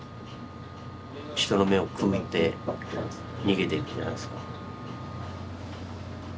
人の目をくぐって逃げていくんじゃないですか？